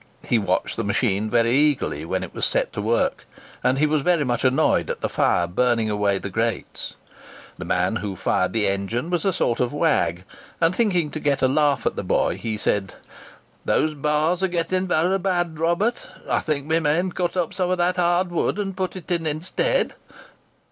He watched the machine very eagerly when it was set to work; and he was very much annoyed at the fire burning away the grates. The man who fired the engine was a sort of wag, and thinking to get a laugh at the boy, he said, "Those bars are getting varra bad, Robert; I think we main cut up some of that hard wood, and put it in instead."